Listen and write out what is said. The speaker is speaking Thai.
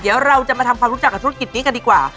เดี๋ยวเราจะมาทำความรู้จักกับธุรกิจนี้กันดีกว่า